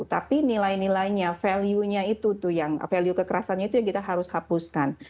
tapi nilai nilainya value nya itu tuh yang value kekerasannya itu yang kita harus hapuskan